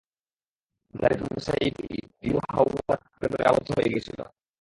যারীদ bin Nusayyib ইউহাওয়ার প্রেমডোরে আবদ্ধ হয়ে গিয়েছিল।